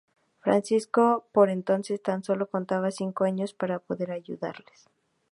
Francisco, por entonces, tan solo contaba cinco años para poder ayudarles.